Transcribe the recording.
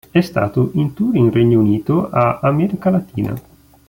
È stato in tour in Regno Unito a America Latina.